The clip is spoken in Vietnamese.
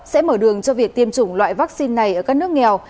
sẽ mở đường cho việc tiêm chủng loại vaccine này ở các nước nghèo